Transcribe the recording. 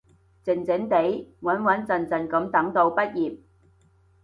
靜靜哋，穩穩陣陣噉等到畢業